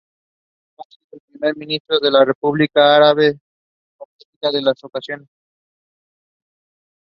Ha sido Primer Ministro de la República Árabe Saharaui Democrática en dos ocasiones.